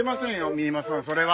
三馬さんそれは！